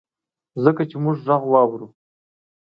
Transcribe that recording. ځکه چي مونږ ږغ واورو